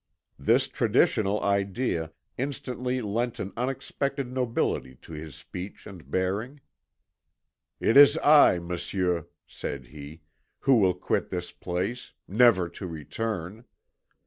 This traditional idea instantly lent an unexpected nobility to his speech and bearing. "It is I, Monsieur," said he, "who will quit this place, never to return.